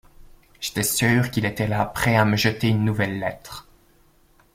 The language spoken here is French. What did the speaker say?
J’étais sûre qu’il était là, prêt à me jeter une nouvelle lettre.